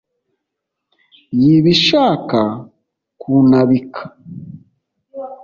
y’ibishaka kuntabika